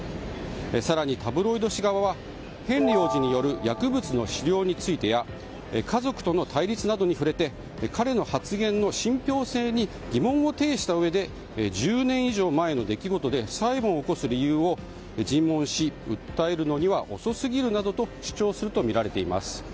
更にタブロイド紙側はヘンリー王子による薬物の使用についてや家族との対立などに触れて彼の発言の信ぴょう性に疑問を呈したうえで１０年以上も前の出来事で裁判を起こす理由を尋問し訴えるのには遅すぎるなどと主張するとみられています。